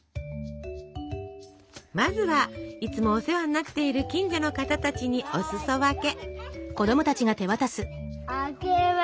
まずはいつもお世話になっている近所の方たちにお裾分け。